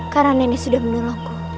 karena nenek sudah menolongku